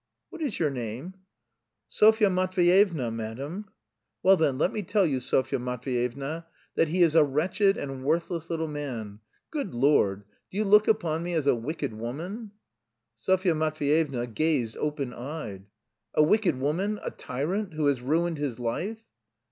"What is your name?" "Sofya Matveyevna, madam." "Well, then, let me tell you, Sofya Matveyevna, that he is a wretched and worthless little man.... Good Lord! Do you look upon me as a wicked woman?" Sofya Matveyevna gazed open eyed. "A wicked woman, a tyrant? Who has ruined his life?"